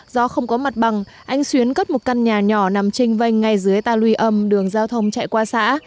do không có mặt bằng anh xuyến cất một căn nhà nhỏ nằm trênh vanh ngay dưới ta lùi âm đường giao thông chạy qua xã